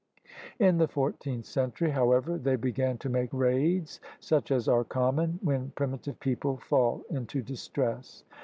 In the fourteenth century, however, they began to make raids such as are common when primitive people fall into distress.